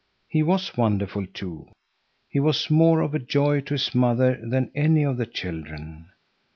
He was wonderful too; he was more of a joy to his mother than any of the children.